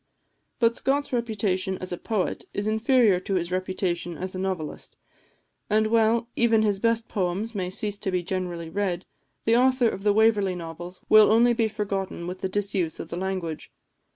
But Scott's reputation as a poet is inferior to his reputation as a novelist; and while even his best poems may cease to be generally read, the author of the Waverley Novels will only be forgotten with the disuse of the language.